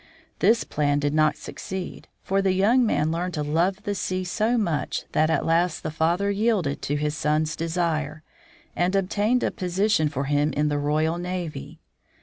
This plan did not succeed, for the young man learned to love the sea so much that at last the father yielded to his son's desire, and obtained a position for him in the Royal Navy.